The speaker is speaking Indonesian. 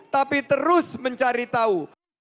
tapi terus mencari tahu